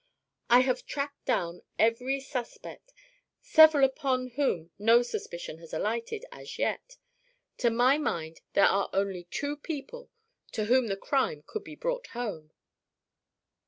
"I have tracked down every suspect, several upon whom no suspicion has alighted as yet. To my mind there are only two people to whom the crime could be brought home."